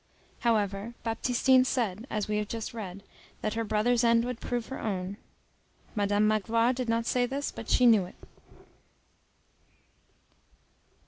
Moreover, Baptistine said, as we have just read, that her brother's end would prove her own. Madame Magloire did not say this, but she knew it.